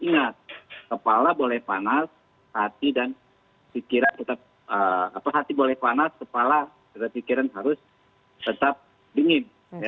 ingat kepala boleh panas hati dan pikiran tetap hati boleh panas kepala pikiran harus tetap dingin